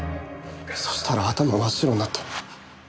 そしたら頭真っ白になって。